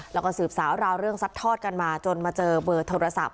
แล้วก็สืบสาวราวเรื่องซัดทอดกันมาจนมาเจอเบอร์โทรศัพท์